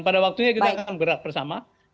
pada waktunya kita akan gerak bersama